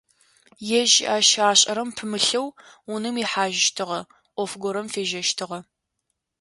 Ежь ащ ашӀэрэм пымылъэу, унэм ихьажьыщтыгъэ, Ӏоф горэм фежьэщтыгъэ.